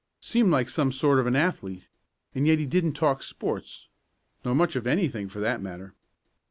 Seemed like some sort of an athlete, and yet he didn't talk sports nor much of anything, for that matter.